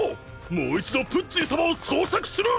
もう一度プッツィ様を捜索する！